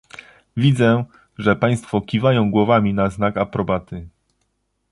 Widzę, że Państwo kiwają głowami na znak aprobaty